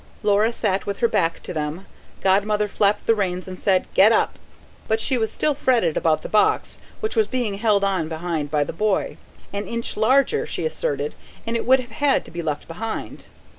Laura sat with her back to them. Godmother flapped the reins and said: "Get up!" but she was still fretted about the box, which was being held on behind by the boy. An inch larger, she asserted, and it would have had to be left behind.